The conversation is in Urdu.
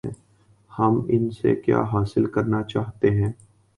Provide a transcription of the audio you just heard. ہم ان سے کیا حاصل کرنا چاہتے ہیں؟